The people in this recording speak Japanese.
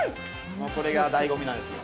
これがだいご味なんですよ。